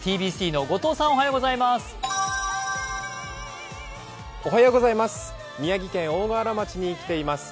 ｔｂｃの後藤さんおはようございます。